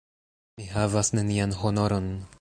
Mi havas nenian honoron!